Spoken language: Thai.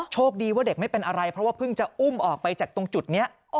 โชคดีว่าเด็กไม่เป็นอะไรเพราะว่าเพิ่งจะอุ้มออกไปจากตรงจุดนี้